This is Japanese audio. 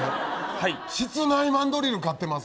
室内マンドリル飼ってます？